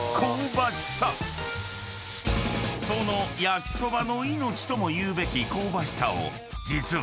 ［その焼そばの命とも言うべき香ばしさを実は］